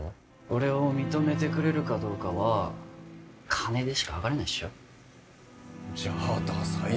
俺を認めてくれるかどうかは金でしかはかれないっしょじゃあダサい